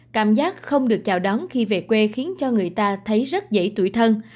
chắc không được chào đón khi về quê khiến cho người ta thấy rất dễ tuổi thân